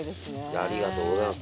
やありがとうございます。